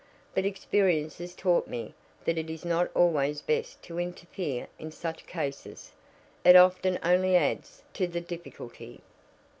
But experience has taught me that it is not always best to interfere in such cases. It often only adds to the difficulty."